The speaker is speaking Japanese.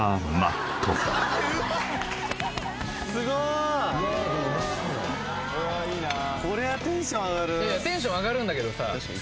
すごいテンション上がるんだけどさあ